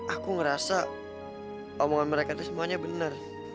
aku ngerasa omongan mereka itu semuanya benar